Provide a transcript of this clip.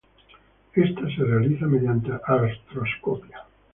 Esta se realiza mediante artroscopia.